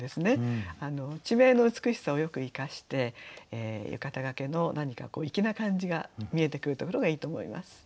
地名の美しさをよく生かして浴衣がけの何か粋な感じが見えてくるところがいいと思います。